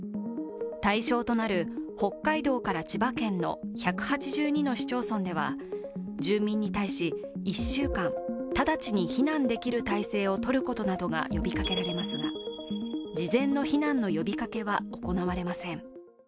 対象となる北海道から千葉県の１８２の市町村では、住民に対し、１週間、直ちに避難できる態勢をとることなどが呼びかけられますが事前の避難の呼びかけは行われません。